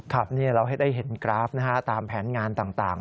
ครับนี่เราให้ได้เห็นกราฟนะฮะตามแผนงานต่าง